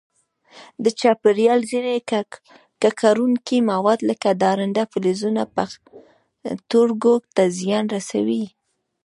د چاپېریال ځیني ککړونکي مواد لکه درانده فلزونه پښتورګو ته زیان رسوي.